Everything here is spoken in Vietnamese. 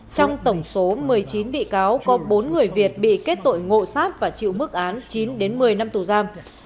trong tổng số một mươi chín bị cáo có bốn người việt bị kết tội ngộ sát và chịu mức án chín đến một mươi năm tù giam